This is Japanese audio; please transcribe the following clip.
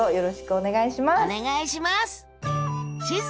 お願いします！